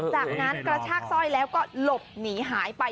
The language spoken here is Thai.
จากนั้นกระชากสร้อยแล้วก็หลบหนีหายไป